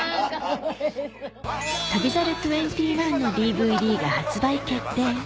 『旅猿２１』のＤＶＤが発売決定